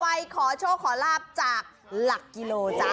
ไปขอโชคขอลาบจากหลักกิโลจ๊ะ